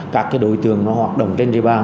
các đội tường hoạt động trên địa bàn